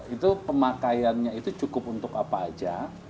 itu pemakaiannya itu cukup untuk apa aja